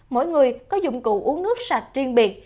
mỗi người có dụng cụ uống nước sạch riêng biệt